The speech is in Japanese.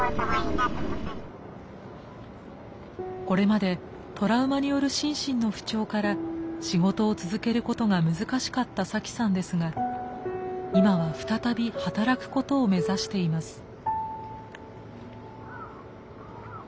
これまでトラウマによる心身の不調から仕事を続けることが難しかったサキさんですが今は再び働くことを目指しています。